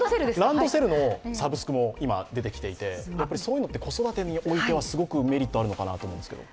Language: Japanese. ランドセルのサブスクも今出てきていて、子育てにおいてはすごくメリットあるのかなと思いますけど。